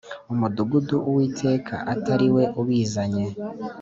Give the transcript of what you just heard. umudugudu Uwiteka atari we ubizanye